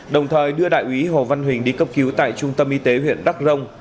đồng thời đưa đại úy hồ văn huỳnh đi cấp cứu tại trung tâm y tế huyện đắc rông